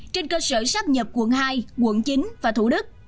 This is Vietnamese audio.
trên cơ sở sắp nhập quận hai quận chín và thủ đức